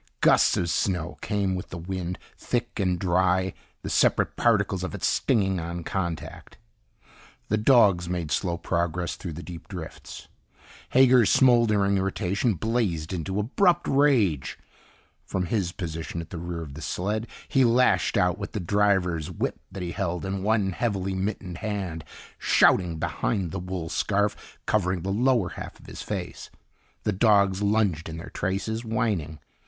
Gusts of snow came with the wind, thick and dry, the separate particles of it stinging on contact. [Illustration: Hager huddled before the fire, trembling with cold that filled him with terror.] The dogs made slow progress through the deep drifts. Hager's smoldering irritation blazed into abrupt rage. From his position at the rear of the sled, he lashed out with the driver's whip that he held in one heavily mittened hand, shouting behind the wool scarf covering the lower half of his face. The dogs lunged in their traces, whining.